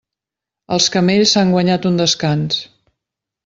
Els camells s'han guanyat un descans.